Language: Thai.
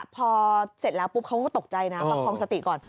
พอเสร็จแล้วปุ๊บเขาก็ตกใจนะประคองสติก่อน